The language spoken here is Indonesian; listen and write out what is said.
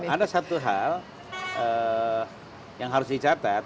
ada satu hal yang harus dicatat